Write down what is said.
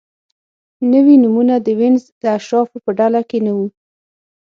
نوي نومونه د وینز د اشرافو په ډله کې نه وو.